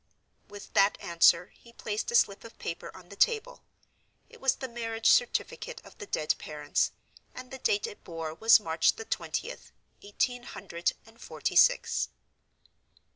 With that answer he placed a slip of paper on the table. It was the marriage certificate of the dead parents, and the date it bore was March the twentieth, eighteen hundred and forty six.